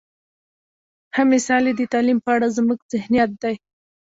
ښه مثال یې د تعلیم په اړه زموږ ذهنیت دی.